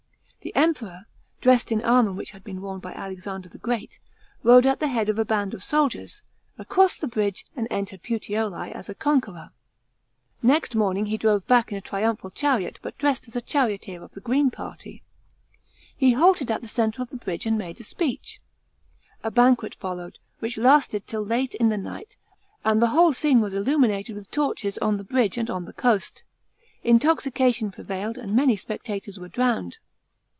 The Emp ror, dressed in armour which had been worn by Alexander the Great, rode at the head of a band of soldiers, across the bridge and entered Puteoli a < a conqueror. Next morning he drove back in a triumphal chariot but dressed as a charioteer of the green party. He halted at the centre of the bridge 39 A.D. FINANCIAL DIFFICULTIES. 223 and made a speech. A banquet followed, which lasted till late in the night, and the whole scene \va* illuminated with torches on the bridge and on the coast. Intoxication prevailed and many spectators were drowned.